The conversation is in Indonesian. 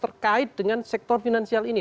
terkait dengan sektor finansial ini